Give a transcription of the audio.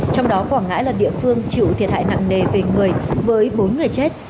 trong đó quảng ngãi là địa phương chịu thiệt hại nặng nề về người với bốn người chết